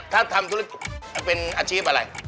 ถ้าทำธุรกิจเป็นอาชีพอะไร